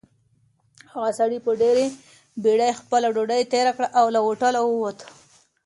هغه سړي په ډېرې بېړۍ خپله ډوډۍ تېره کړه او له هوټله ووت.